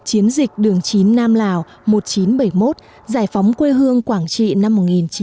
chiến dịch đường chín nam lào một nghìn chín trăm bảy mươi một giải phóng quê hương quảng trị năm một nghìn chín trăm bảy mươi năm